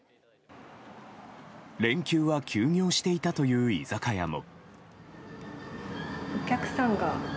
連休は休業していたという居酒屋も。